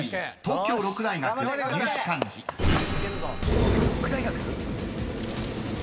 東京六大学